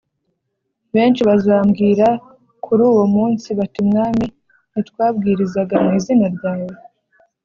Benshi bazambwira kuri uwo munsi bati mwami ntitwabwirizaga mu izina ryawe